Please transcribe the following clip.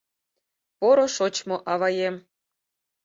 «Поро шочмо аваем!